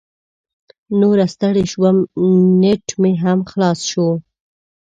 نوره ستړې شوم، نیټ مې هم خلاص شو.